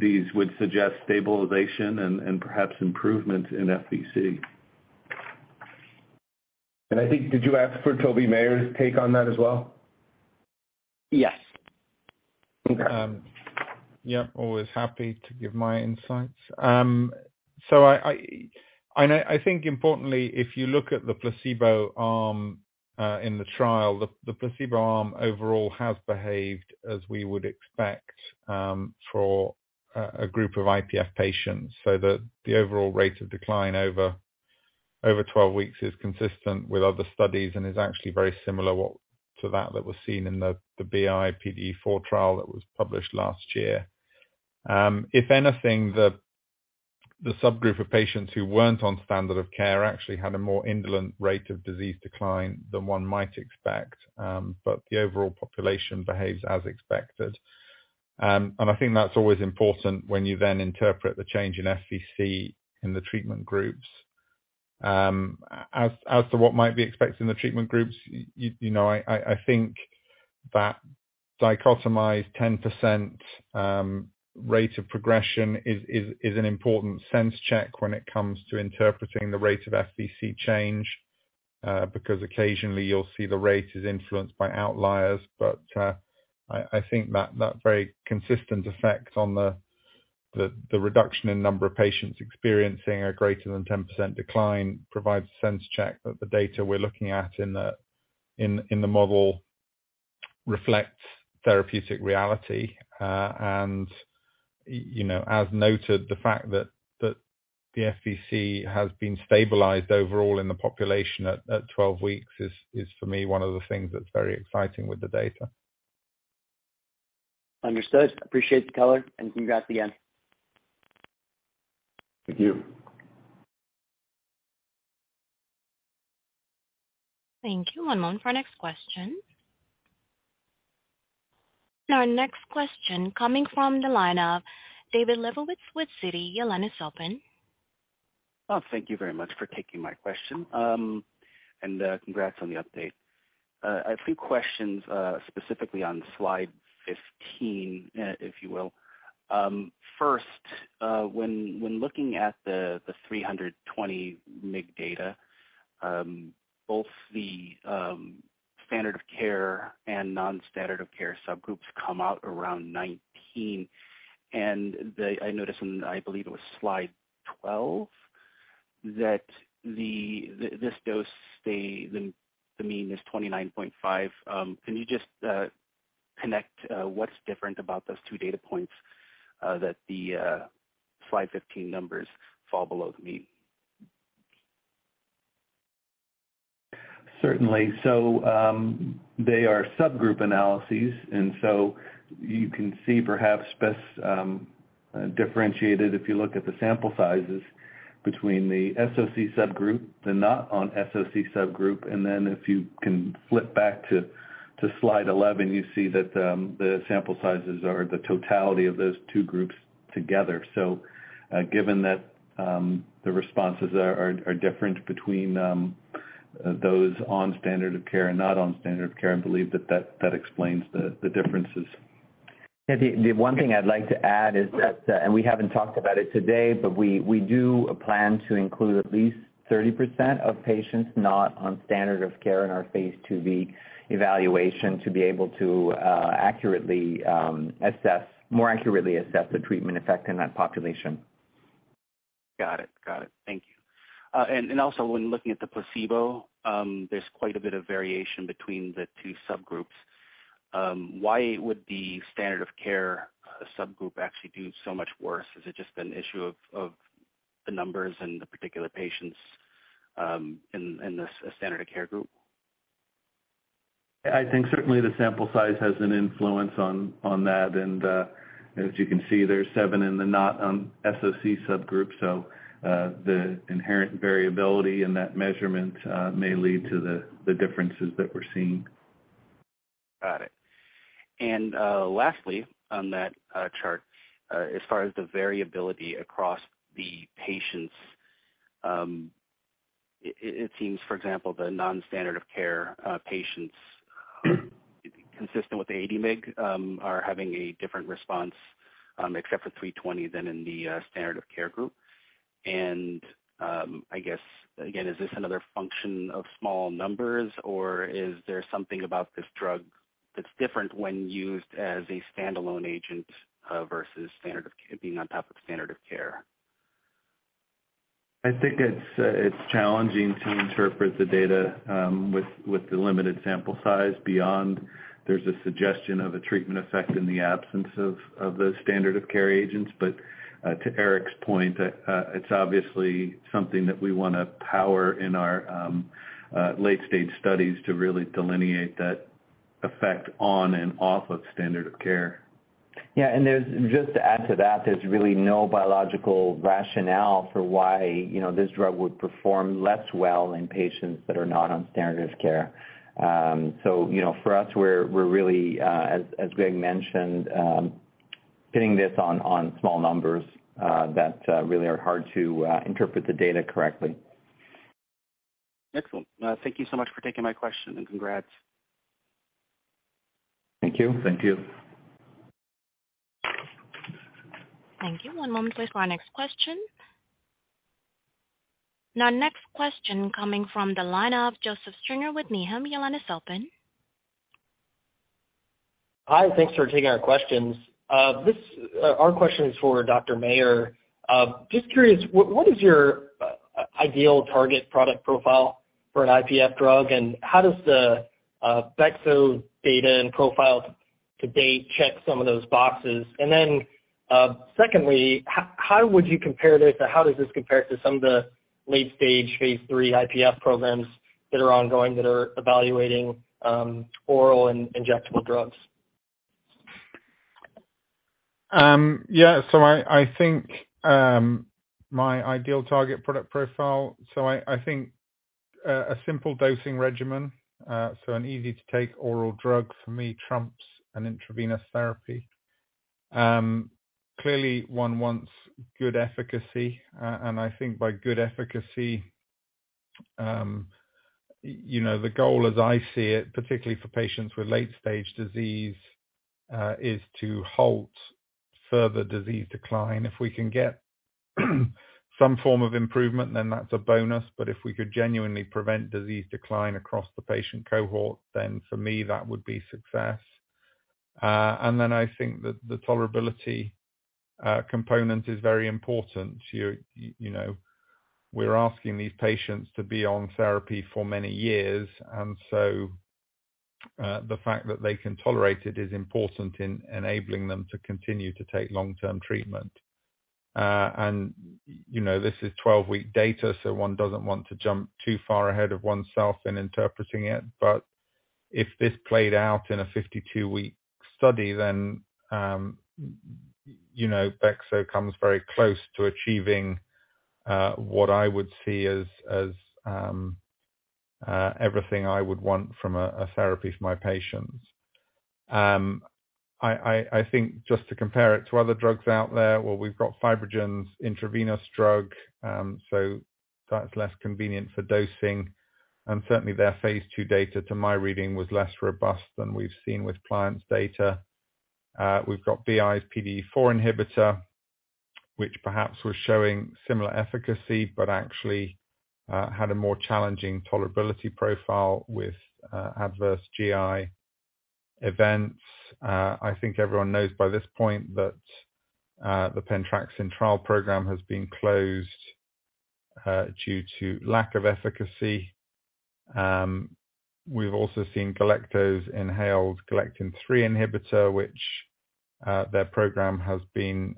these would suggest stabilization and perhaps improvement in FVC. I think did you ask for Toby Maher's take on that as well? Yes. Okay. Yep, always happy to give my insights. I think importantly, if you look at the placebo arm in the trial, the placebo arm overall has behaved as we would expect for a group of IPF patients, so that the overall rate of decline over 12 weeks is consistent with other studies and is actually very similar to that was seen in the BI PDE4 trial that was published last year. If anything, the subgroup of patients who weren't on standard of care actually had a more indolent rate of disease decline than one might expect, but the overall population behaves as expected. I think that's always important when you then interpret the change in FVC in the treatment groups. As to what might be expected in the treatment groups, you know, I think that dichotomized 10% rate of progression is an important sense check when it comes to interpreting the rate of FVC change because occasionally you'll see the rate is influenced by outliers. I think that very consistent effect on the reduction in number of patients experiencing a greater than 10% decline provides a sense check that the data we're looking at in the model reflects therapeutic reality. You know, as noted, the fact that The FVC has been stabilized overall in the population at 12 weeks is for me one of the things that's very exciting with the data. Understood. Appreciate the color and congrats again. Thank you. Thank you. One moment for our next question. Our next question coming from the line of David Lebowitz with Citi. Your line is open. Thank you very much for taking my question. Congrats on the update. A few questions specifically on slide 15, if you will. First, when looking at the 320 MIG data, both the standard of care and non-standard of care subgroups come out around 19. I noticed in, I believe it was slide 12, that this dose the mean is 29.5. Can you just connect what's different about those two data points that the slide 15 numbers fall below the mean? Certainly. They are subgroup analyses, you can see perhaps best differentiated if you look at the sample sizes between the sOC subgroup, the not on sOC subgroup. If you can flip back to slide 11, you see that the sample sizes are the totality of those two groups together. Given that the responses are different between those on standard of care and not on standard of care, I believe that explains the differences. Yeah. The one thing I'd like to add is that, and we haven't talked about it today, but we do plan to include at least 30% of patients not on standard of care in our phase 2b evaluation to be able to more accurately assess the treatment effect in that population. Got it. Got it. Thank you. Also when looking at the placebo, there's quite a bit of variation between the two subgroups. Why would the standard of care subgroup actually do so much worse? Is it just an issue of the numbers and the particular patients in this standard of care group? I think certainly the sample size has an influence on that. As you can see, there's seven in the not sOC subgroup. The inherent variability in that measurement may lead to the differences that we're seeing. Got it. Lastly on that chart, as far as the variability across the patients, it seems, for example, the non-standard of care patients consistent with the AD MIG are having a different response, except for 320 than in the standard of care group. I guess, again, is this another function of small numbers, or is there something about this drug that's different when used as a standalone agent, versus standard of care, being on top of standard of care? I think it's challenging to interpret the data, with the limited sample size beyond there's a suggestion of a treatment effect in the absence of those standard of care agents. To Eric's point, it's obviously something that we wanna power in our late stage studies to really delineate that effect on and off of standard of care. Yeah. Just to add to that, there's really no biological rationale for why, you know, this drug would perform less well in patients that are not on standard of care. You know, for us, we're really, as Greg mentioned, pinning this on small numbers that really are hard to interpret the data correctly. Excellent. Thank you so much for taking my question and congrats. Thank you. Thank you. Thank you. One moment please for our next question. Our next question coming from the line of Joseph Stringer with Needham & Company. Your line is open. Hi. Thanks for taking our questions. Our question is for Dr. Maher. Just curious, what is your ideal target product profile for an IPF drug, and how does the bexotegrast data and profile to date check some of those boxes? Secondly, how would you compare this or how does this compare to some of the late stage phase 3 IPF programs that are ongoing that are evaluating oral and injectable drugs? Yeah, so I think my ideal target product profile. I think a simple dosing regimen, so an easy to take oral drug for me trumps an intravenous therapy. Clearly one wants good efficacy, and I think by good efficacy, you know, the goal as I see it, particularly for patients with late stage disease, is to halt further disease decline. If we can get some form of improvement, then that's a bonus. If we could genuinely prevent disease decline across the patient cohort, then for me that would be success. I think that the tolerability component is very important. You know, we're asking these patients to be on therapy for many years, and so. The fact that they can tolerate it is important in enabling them to continue to take long-term treatment. You know, this is 12-week data, so one doesn't want to jump too far ahead of oneself in interpreting it. If this played out in a 52-week study, then, you know, bexo comes very close to achieving, as, everything I would want from a therapy for my patients. I think just to compare it to other drugs out there, well, we've got FibroGen's intravenous drug, so that's less convenient for dosing. Certainly their phase 2 data, to my reading, was less robust than we've seen with Pliant's data. We've got BI's PDE4 inhibitor, which perhaps was showing similar efficacy, but actually, had a more challenging tolerability profile with adverse GI events. I think everyone knows by this point that the Pentraxin trial program has been closed due to lack of efficacy. We've also seen Galecto's inhaled Galectin-3 inhibitor, which, their program has been,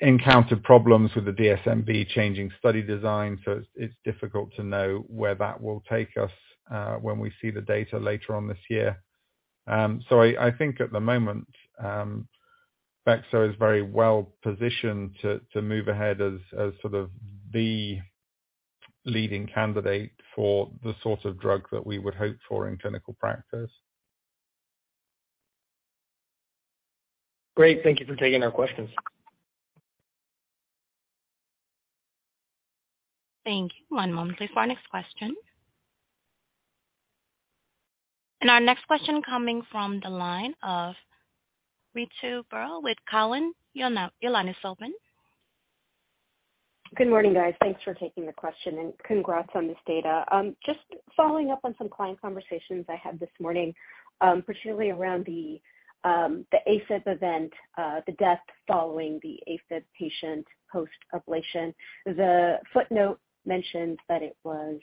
encountered problems with the DSMB changing study design. It's, it's difficult to know where that will take us, when we see the data later on this year. I think at the moment, Bexo is very well-positioned to move ahead as sort of the leading candidate for the sort of drug that we would hope for in clinical practice. Great. Thank you for taking our questions. Thank you. One moment, please, for our next question. Our next question coming from the line of Ritu Barua with Cowen. Your line is open. Good morning, guys. Thanks for taking the question and congrats on this data. Just following up on some client conversations I had this morning, particularly around the AFib event, the death following the AFib patient post-ablation. The footnote mentioned that it was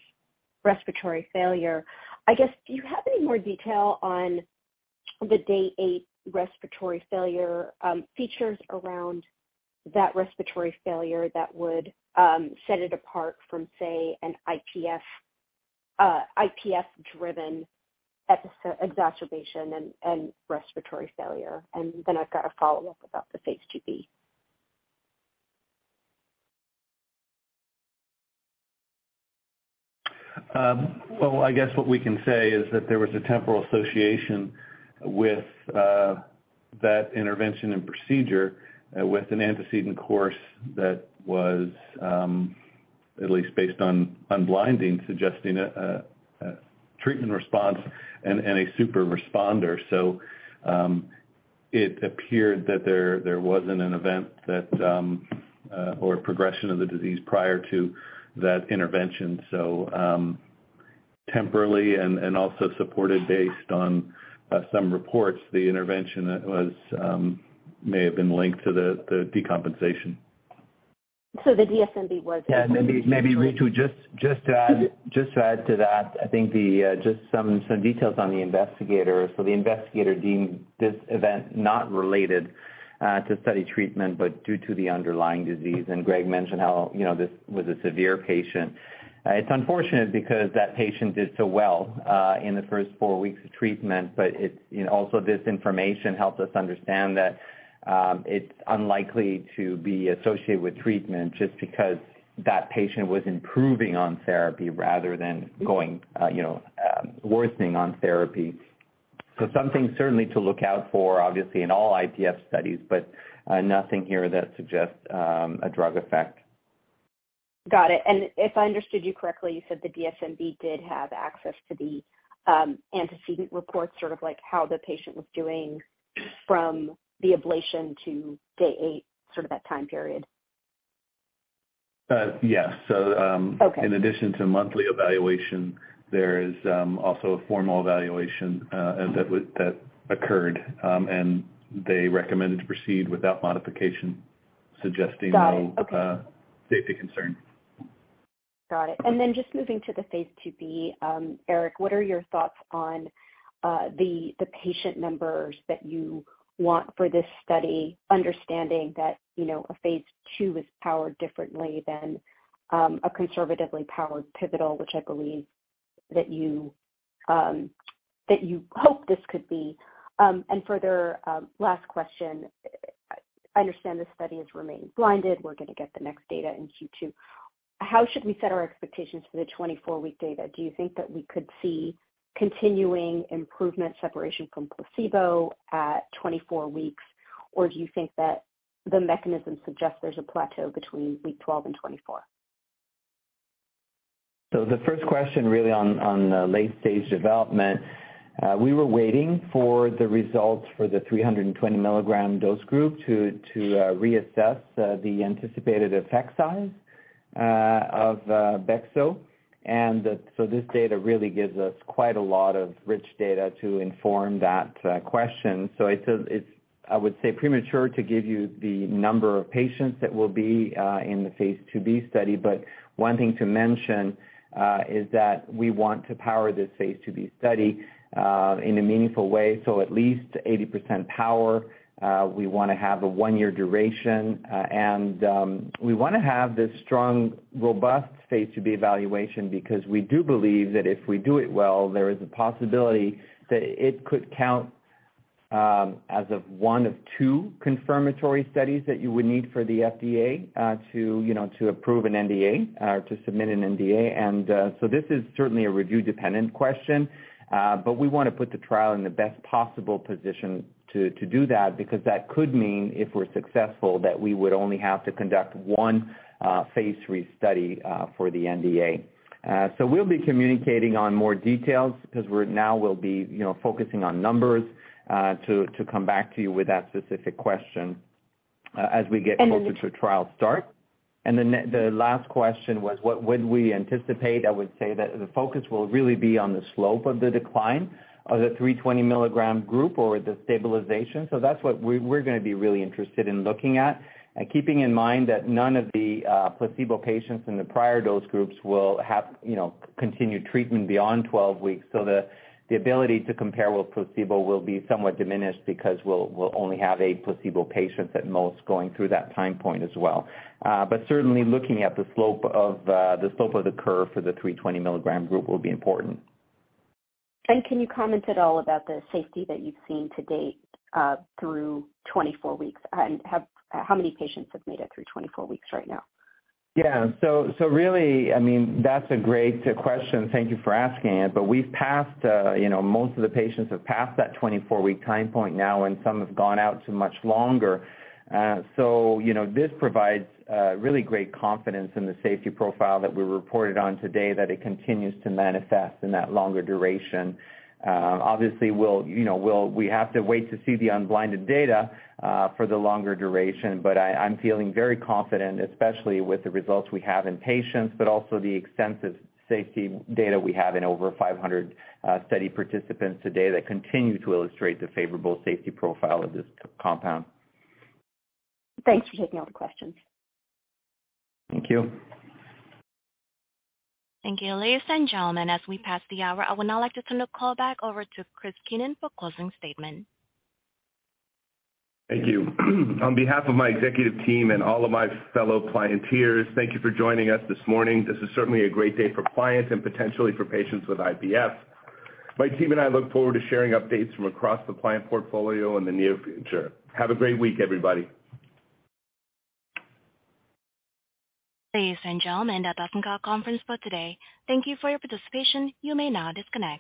respiratory failure. I guess, do you have any more detail on the day eight respiratory failure, features around that respiratory failure that would set it apart from, say, an IPF-driven exacerbation and respiratory failure? I've got a follow-up about the phase 2b. Well, I guess what we can say is that there was a temporal association with that intervention and procedure with an antecedent course that was, at least based on unblinding, suggesting a treatment response and a super responder. It appeared that there wasn't an event that or progression of the disease prior to that intervention. Temporally and also supported based on some reports, the intervention was may have been linked to the decompensation. The DSMB Yeah. Maybe Ritu just to add to that, I think the just some details on the investigator. The investigator deemed this event not related to study treatment, but due to the underlying disease. Greg mentioned how, you know, this was a severe patient. It's unfortunate because that patient did so well in the first four weeks of treatment. It's, you know, also this information helps us understand that it's unlikely to be associated with treatment just because that patient was improving on therapy rather than going, you know, worsening on therapy. Something certainly to look out for, obviously in all IPF studies, but nothing here that suggests a drug effect. Got it. If I understood you correctly, you said the DSMB did have access to the antecedent reports, sort of like how the patient was doing from the ablation to day eight, sort of that time period. Yes. Okay. In addition to monthly evaluation, there is also a formal evaluation that occurred, and they recommended to proceed without modification, suggesting. Got it. Okay. No, safety concern. Got it. Just moving to the Phase 2b. Eric, what are your thoughts on the patient numbers that you want for this study, understanding that, you know, a Phase 2 is powered differently than a conservatively powered pivotal, which I believe that you hope this could be. Further, last question. I understand this study has remained blinded. We're gonna get the next data in Q2. How should we set our expectations for the 24-week data? Do you think that we could see continuing improvement separation from placebo at 24 weeks? Do you think that the mechanism suggests there's a plateau between week 12 and 24? The first question really on the late-stage development, we were waiting for the results for the 320-milligram dose group to reassess the anticipated effect size of bexo. This data really gives us quite a lot of rich data to inform that question. It's premature to give you the number of patients that will be in the phase 2b study. One thing to mention is that we want to power this phase 2b study in a meaningful way. At least 80% power. We wanna have a 1-year duration. We wanna have this strong, robust phase 2b evaluation because we do believe that if we do it well, there is a possibility that it could count as of one of two confirmatory studies that you would need for the FDA to, you know, to approve an NDA or to submit an NDA. This is certainly a review-dependent question. We wanna put the trial in the best possible position to do that because that could mean, if we're successful, that we would only have to conduct one phase 3 study for the NDA. We'll be communicating on more details 'cause now we'll be, you know, focusing on numbers to come back to you with that specific question as we get closer to trial start. The last question was what would we anticipate? I would say that the focus will really be on the slope of the decline of the 320 milligram group or the stabilization. That's what we're gonna be really interested in looking at. Keeping in mind that none of the placebo patients in the prior dose groups will have, you know, continued treatment beyond 12 weeks. The ability to compare with placebo will be somewhat diminished because we'll only have 8 placebo patients at most going through that time point as well. Certainly looking at the slope of the curve for the 320 milligram group will be important. Can you comment at all about the safety that you've seen to date, through 24 weeks? How many patients have made it through 24 weeks right now? Really, I mean, that's a great question. Thank you for asking it. We've passed, you know, most of the patients have passed that 24 week time point now, and some have gone out to much longer. You know, this provides really great confidence in the safety profile that we reported on today that it continues to manifest in that longer duration. Obviously, we'll, you know, we have to wait to see the unblinded data for the longer duration, but I'm feeling very confident, especially with the results we have in patients, but also the extensive safety data we have in over 500 study participants to date that continue to illustrate the favorable safety profile of this compound. Thanks for taking all the questions. Thank you. Thank you. Ladies and gentlemen, as we pass the hour, I would now like to turn the call back over to Chris Keenan for closing statement. Thank you. On behalf of my executive team and all of my fellow clients here, thank you for joining us this morning. This is certainly a great day for clients and potentially for patients with IPF. My team and I look forward to sharing updates from across the client portfolio in the near future. Have a great week, everybody. Ladies and gentlemen, that does end our conference call today. Thank you for your participation. You may now disconnect.